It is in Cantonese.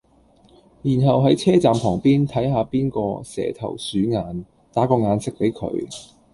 然後係車站旁邊睇下邊個蛇頭鼠眼，打個眼色比佢